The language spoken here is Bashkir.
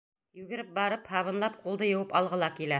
Йүгереп барып, һабынлап ҡулды йыуып алғы ла килә.